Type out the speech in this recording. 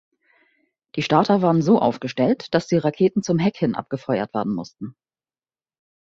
Die Starter waren so aufgestellt, dass die Raketen zum Heck hin abgefeuert werden mussten.